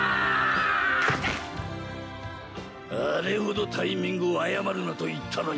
あれほどタイミングを誤るなと言ったのに。